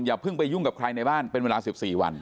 อย่าเพิ่งไปยุ่งกับใครในบ้านเป็นเวลา๑๔วัน